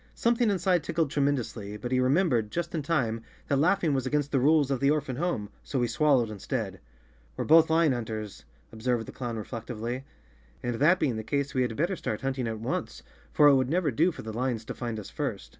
Something inside tickled tremendously, but he remem¬ bered, just in time, that laughing was against the rules of the orphan home, so he swallowed instead. "We're both lion hunters," observed the clown re¬ flectively, "and that being the case we had better start hunting at once, for it would never do for the lions to find us first.